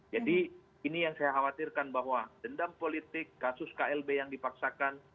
jadi ini yang saya khawatirkan bahwa dendam politik kasus klb yang dipaksakan